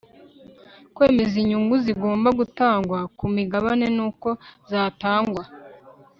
kwemeza inyungu zigomba gutangwa ku migabane n'uko zatangwa